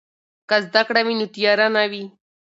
که زده کړه وي نو تیاره نه وي.